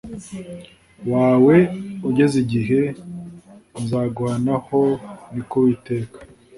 wawe ugeze igihe nzaguhanaho ni ko uwiteka